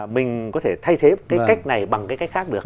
mình có thể thay thế cái cách này bằng cái cách khác được